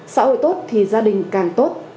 xã hội tốt thì gia đình càng tốt